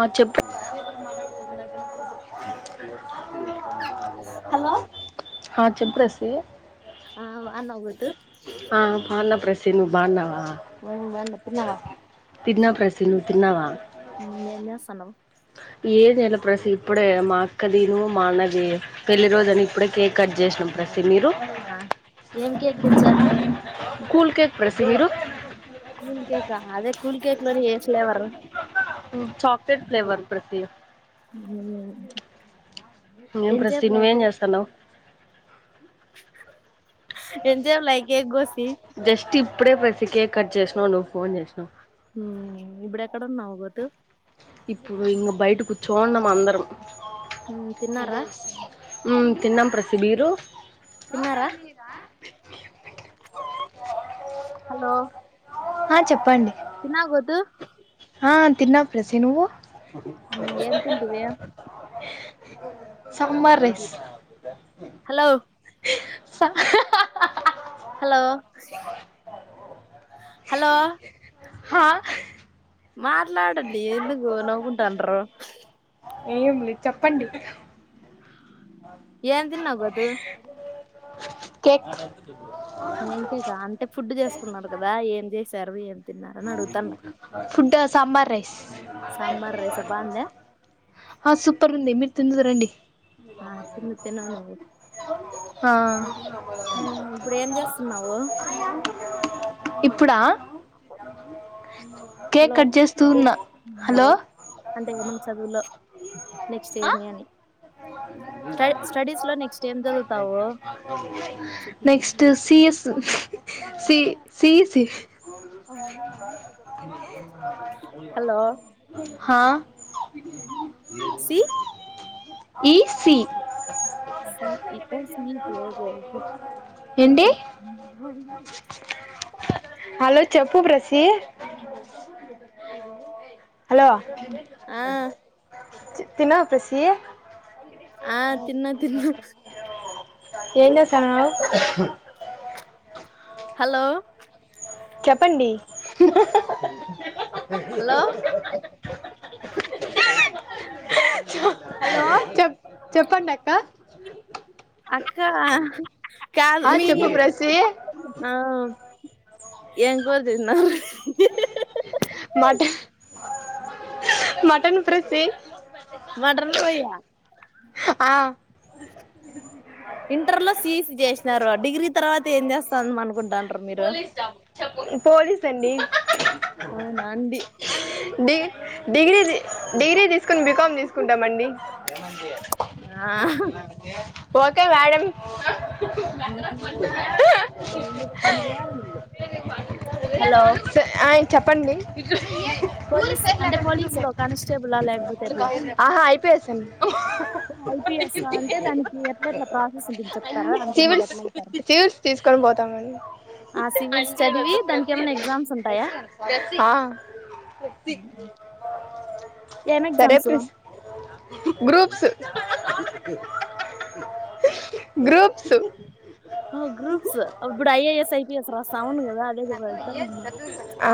ఆ చెప్ హలో ఆ చెప్పు ప్రసి ఆ బాన్నావా గోతు సిను బన్నావ ఉమ్ బాగున్నా తిన్నావా తిన్న ప్రసి నువ్వు తిన్నావా హలో ఏ నెల ప్రసీద్ ప్పుడే మా ఒక్క దీను మాన్నేయ పెళ్లి రోజని ఇప్పుడే కేక్ కట్ చేసినాం ప్రసి మీరు అవున ఎం కేక్ కొచ్చండ్రి కూల్ కేక్ ప్రసి మీరు కూల్ కేక్ ఆ అదే కూల్ కేక్ లోనే ఎద్ ఫ్లేవర్ పెట్ ఫ్లేవర్ ప్రతి ఇంకేం ప్రెసీ ఎంతసేపు నువ్వేం లైకు చేస్తన్నావ్ ఎంతసేపు లై కేక్ కోసి జస్ట్ ఇప్పుడే ప ఇటి కేేక్ కట్ చేస్నావు నువు ఫోన్ చేసినావు మ్మ్ ఇబుడేక్కడున్నవ్ గోతు ఇప్పుడు ఇంగ బయట కూర్చోండాం అందరం ఉమ్ తిన్నారా మ్మ్ తిన్నాం ప్రసి బీరు తిన్నారా హలో ఆ చెప్పండి తిన్నావా గోతు ఆ తిన్నా ప్రెసీ నువ్వు ఉమ్ ఏం తింటివి సమ్మ రెస్ హలో స హలో హలో హా మాట్లాడండి ఎందుగు నవ్వుకుంటానృ ఏం లే చెప్పండి ఏమ్ తిన్నావ్ గొతు కేక్ ఎంకేక అంటే ఫుడ్ చేసుకున్నారు కదా ఏం చేస్ తర్వియన్ ఫుడ్డా సాంబార్ రైస్ సాంబార్ రైసా బాగుందా ఆ సూపర్ ఉంది మి తిందువు రండి ఆ తిను తిను నువ్వు ఆ ఇప్పుడు ఏం చేస్తున్నావు ఇప్పుడా కేక్ హలో కట్ చేస్తూ ఉన్నా హలో అంటే ఏమన్నా చదువులో నెక్స్ట్ ఏమి అని స్ట స్టడీస్ లో నెక్స్ట్ ్ఏం చదువుతావు next C S C C C hello హా సి ఈ సి ఏంటి హలో చెప్పు ప్రెసి హలో ఆ తిన్నావా ప్రెసి ఆ తిన్నా తిన్నా ఎంచేస్తన్నావ్ హలో చెప్పండి [unintelligible] హలో [unintelligible] హలో చెప్ చెప్పండి అక్క అక్క కాదు ఆ మీ చెప్పు ప్రసి ఔ ఏం కూర తిన్నావ్ మట మటన్ ప్రసీ మటన్ ఫ్రైనా హ్ ఆ ఇంటర్లో సి ఈ సి చేసినారు డిగ్రీ తర్వాత ఏం చేస్తాందిమ అనుకుంటాండ్రు మీరు పోలీస్ అండి అవునా అండి డి- అండి డిగ్రీ టామండి [unintelligible] ఆ. [unintelligible] ఓకే మ్యాడం హలో స- ఆ, చెప్పండి పోలీస్ అంటే పోలీసులో కానిస్టేబులా లేకపోతే ఎట్లా చెన్ హ్ ఐ పీ ఎస్ అంటే దానికి ఎట్ల ఎట్ల ప్రాసెస్ గురించి చెప్తారా అంటే మీరు సివిల్స్ ఎట్లఐతారు సివిల్స్ తీసుకొని పోతామండి ఆ సివిల్స్ అంటే చదివి వద్దు దానికి ప్రతి ఏమైనా ఎగ్జామ్స్ ఉంటాయా ఆ, ఏం సరే ఎగ్జామ్స్ ప్రస్ గ్రూప్స్ [unintelligible] హో గ్రూప్స్ అప్పుడు ఐ ఏ ఎస్ ఐతె చేస్తర సౌండ్ కదా అది నువ్ ఆ,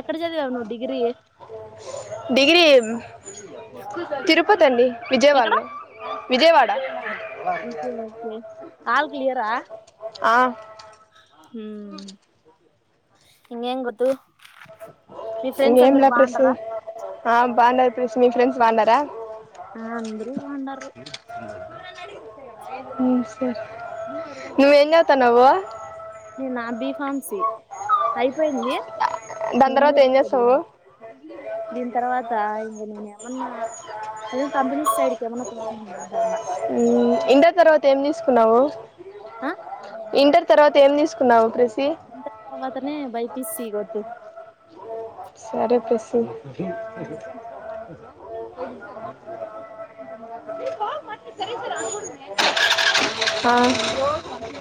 ఎక్కడ చదివావు నువ్వు డిగ్రీ డిగ్రీ తిరుపతి అండి ఎక్కడ విజయవాడలో విజయవాడ ఓకే ఓకే ఆల్ క్లియరా ఆ మ్ ఇంగెంన్తు మీ ఫ్రెండ్స్ అందరు బాన్డర ఆ బాగుండారు ప్రేస్ మీ ఫ్రెండ్స్ బాగున్నారా ఆ అంద్రు బండరు నువ్వు నన్ను అడిగి హు సరే నువ్వు ఏం చదువుతున్నావు ఫార్మ్సీ అయిపోయింది దాని తర్వాత ఏం నెల్లూరులో జరిగింది చేస్తావు దీని తర్వాత ఇంక నేను ఏమన్నా అదే కంపేనీస్ సైడికి ఏమన్న పోయ్ కి చూస్తాన్న ఇంటర్ తర్వాత ఏం తీసుకున్నావు ఆ ఇంటర్ తర్వాత ఏం తీసుకున్నావు ప్రస్ తి అత్తనే బై పీ సి గొతు సరే ప్రెస్ ఆ హా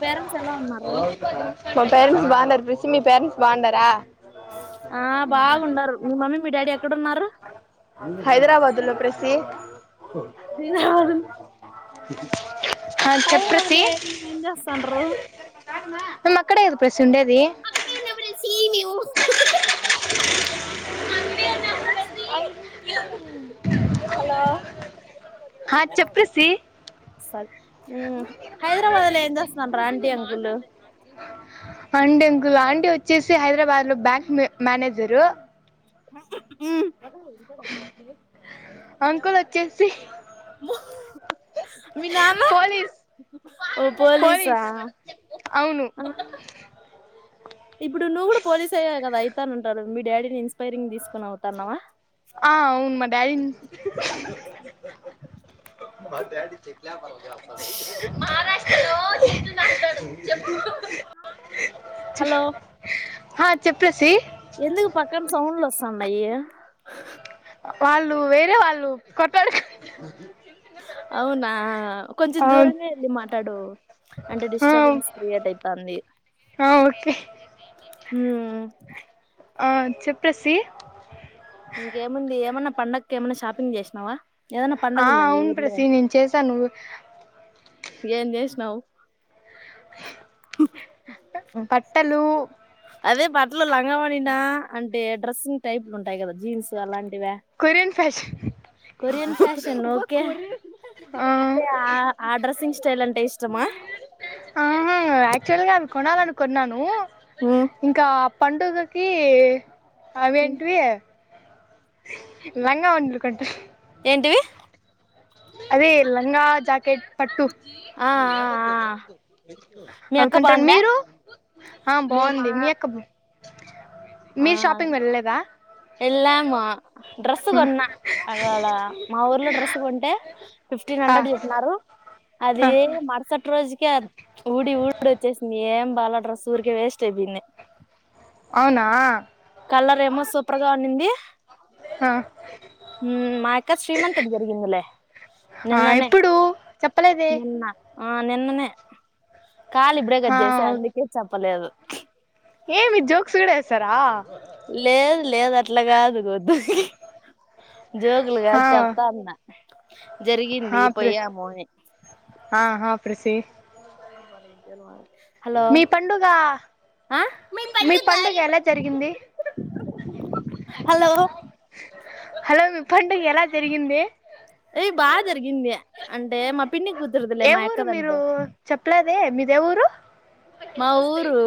పేరెంట్స్ ఎలా ఉన్నారు మా పేరెంట్స్ బాగున్నారు ప్రెసి మీ పేరెంట్స్ బాండర ఆ బాగుండారు మీ మమ్మీ మీ డాడీ ఎట్ల ఎక్కడ ఉన్నారు హైదరాబాదు లో ప్రస్సి అ హాల్లో వాదినే ఎమ్ ఏంజెస్తన్నావ్ అక్కడ ఏద ప్రశ్ సుండేది హలో హ చెప్పసి స హైదరాబాద్లో ఎం చేస్తాండ్ర్ aunty uncle aunty uncle aunty వచ్చేసి హైదరాబాద్ లో బ్యాంక్ మేనేజరు మీ కు అంకుల్ వచ్చేసి పోలీస్ ఓ పోలీసా పోలీస్ అవును ఇప్పుడు నువ్వు కూడా పోలీస్ అయ్యావ్ కదా అయితను అంటరు మీ డాడీని ఇన్స్పైరింగ్ తీసుకొని అవుతన్నావా చెష్ట మారష్ట లో హలో ఆ చెప్పేసి ఎందుకు పక్కన సౌండ్లు వ స్థాండాయి వాళ్ళు వేరే వాళ్ళు కొట్టాడుకు అవునా కొంచెం అవును దూరంగా వెళ్ళి మాట్లాడు అంటే ఆ డిస్టర్బెన్స్ క్రియేట్ అయితంది ఆ ఓకే మ్మ్ ఆ చెప్పేసి ఇంకేముంది ఏమన పండగకి ఏమన్నా షాపింగ్ జేష్నవా ఏదైనా పండగ ఆ ఉందా మీ అవును ఊర్లో ప్రసి నేను చేశాను బట్ తళ్ళు అదే బట్లు లంగ వోనీనా అంటే డ్రెస్సింగ్ టైప్లు ఉంటాయి కదా జీన్స్ అలాంటి కోరియన్ ఫ్యాషన్ ఫ్యాషన్లు ఓకే ఆ అంటే ఆ ఆ డ్రస్సింగ్స్ స్ట్ చేలాంటే ఇష్ ఆ యాక్టచుగల్ గా అవి కొనాలనుకు కొన్నాను ఇంకా పండుగ కీ అవి ఎంటీవీ లంగా వుంది కట్టు ఏంటివి అదే లంగా జాకెట్ పట్టు ఆ ఆ మీ అవి అక్క కొంటారు బాగుందా మీరు ఆ మేమా బాంది మీ అక్క ఆ వెళ్ళాం డ్రెస్ కొన్నా అక్కడ మా ఊర్లో డ్రెస్ కొ అవి ఫిఫ్టీన్ ఆ హండ్రెడ్ చెప్పినారు ఆ అది మరుసటి రోజుకే ఊరికే ఊడి ఊడి వచ్చేసింది ఏం బాల డ్రస్ ఊరికే వేస్ట్ అయిపోయింది అవునా కలర్ ఏమో సూపర్ గా ఉన్నింది ఆ హు మాయక్కశ్రీమంతం జరిగిందలే ఆ నిన్ననే ఎప్పుడు చెప్పలేదే నిన్న ఆ నిన్ననేే కాల్ ఇప్పుడే కట్ ఆ చేసా ఓ అందుకే చెప్పలేదు ఏమి జోక్సుూడే లేదు లేదు అట్లా గాదు గోద్దు జోకులుగా హా చెప్తా అన్న జరిగింది హా ప్ర పోయ్యాము అని ఆ హా ప్రసి గజ్జలు బాగుంటాయి మీ పండుగ ఆ మీ పండుగ హలో హలో మీ పండుగ ఎలా జరిగింది ఎయి బాగా జరిగింది అంటే మా పి ఏ ఊరు మీరు చెప్పలేద్ అదే మీదే ఊరు మా ఊరు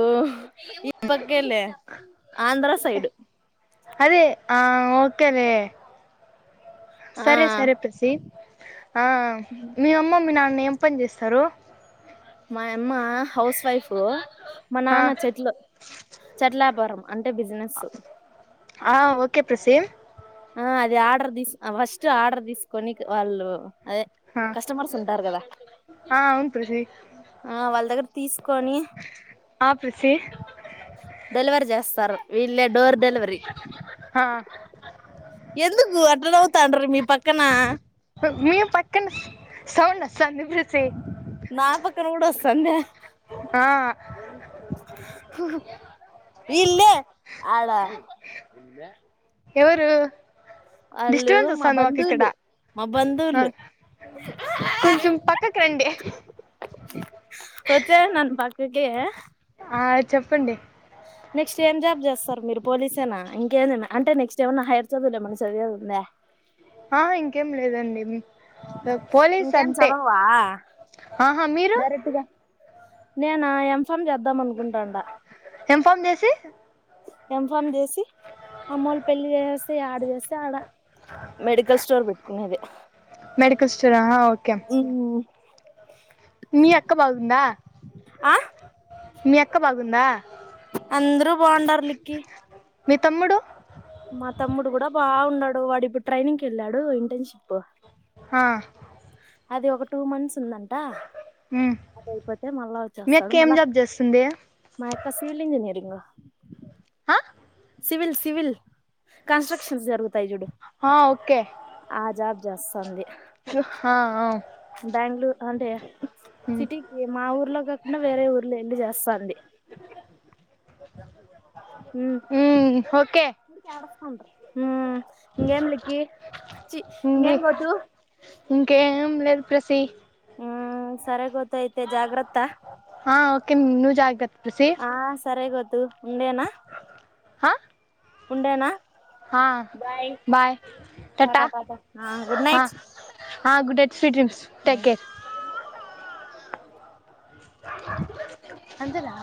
ఈ పక్కేలే ఆంధ్ర సైడ్ అదే ఆఓ పక్కనే ఆ సరే సరే ప్రసి ఆ మీ అమ్మ మీ నాన్న నాన్న ఏం పని చేస్తారు మా యమ్మ అమ్మ హౌస్ వైఫ్ మా ఆ నాన్న చెట్లు చెట్ల వ్యాపారం అంటే బిజినెస్ ఆ ఓకే ప్రస్సి ఆ అది ఆర్డర్ తీసు ఫస్ట్ ఆర్డర్ తీసుకొనికి వాళ్ళు అదే ఆ కస్టమర్స్ ఉంటారు కదా ఆ అవును ప్రసి ఆ వాళ్ళ దగ్గర తీసుకొని ఆ ప్రసి డెలివరీ చేస్తారు వీళ్ళే డోర్ డెలివరి ఆ ఎందుకు అట్ట నవ్వుతాండారు మీ పక్కన మీ పక్కన సౌండ్ వస్తా ఉంది ప్రీతి సంధ్య ఆ వీళ్ళు ఆడ ఎవరు అల్లు డిస్టర్బెన్స్ మా వస్తాంది మాకు ఇక్కడ బంధువులు మా బంధూవులు ఆ కొంచెం పక్కకి రండి వచ్చేశ్నాన్ పక్కకి ఆ చెప్పండి నెక్స్ట్ ఏం జాబ్ చేస్తారు మీరు పోలీసేనా ఇంకేదన్నా అంటే నెక్స్ట్ ఏమన్నా హైయ్యర్ చదువులేమైనా చదివేదుందా ఆ ఇంకేం లేదండి పోలీస్ ఇంకేం అంతే చదవవా ఆహా మీరు డైరెక్ట్ గా నేనా ఎం ఫాం చేద్దాం అనుకుంటాండా ఏం ఫామ్ చేసి ఎం ఫామ్ చే సి అమ్మోళ్ళు పెళ్లి చేయేస్తే యేడ చేస్తే ఆడ మెడికల్ స్టోర్ పెట్టుకొనేది మెడికల్ స్టోర్ ఆ ఓకే మ్ మీ అక్క బాగుందా ఆ మీ అక్క బాగుందా అందరూ బావుండారు లిక్కి మీ తమ్ముడు మా తమ్ముడు గూడా బావుండాడు వాడిప్పుడు ట్రైనింగ్ కెళ్ళాడు ఇంటర్న్షిప్ ఆ అది ఒక టూ మంత్స్ వస్తుందంట మ్మ్ అదయిపోతే మళ్ళా మీ వచ్చేస్తాడు అక్క ఏం మళ్ళా జాబ్ చేస్తుంది మా అక్క సివిల్ ఇంజనీరింగ్ ఆ సివిల్ సివిల్ కన్స్ట్రక్షన్స్ జరుగుతాయి చూడు ఆ ఓకే ఆ జాబ్ చేస్తాంది ఆ ఆ బ్యాంగ్ లూర్ అంటే మ్మ్ సిటీకి మా ఊర్లో కాకుండా వేరే ఊర్లో వెళ్ళి చేస్తాంది ఉమ్ మ్ ఓకే మ్ ఇంగేం లిక్కి చఛీ ఇంగే ఇంగేం గౌతు ఇంకేం లేదు ప్రసి మ్ సరే గౌ త్తైతే జాగ్రత్త కిన్ నువ్ జాగ్రత్ ఆ సరే గద్దు ఉండేనా ఆ ఉండేనా హా బాయ్ టా టాటా టా హా గుడ్ నైట్ హా గుడ్ నైట్ స్ీట్్రిమ్స్ టెక్ కే అంతేనా